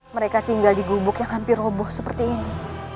mereka tinggal di gubuk yang hampir roboh seperti ini